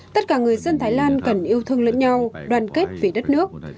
tất cả người dân thái lan cần yêu thương lẫn nhau đoàn kết vì đất nước